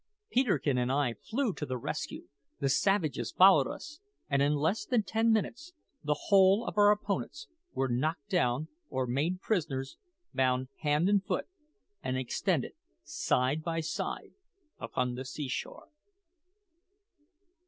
Peterkin and I flew to the rescue, the savages followed us, and in less than ten minutes the whole of our opponents were knocked down or made prisoners, bound hand and foot, and extended side by side upon the seashore.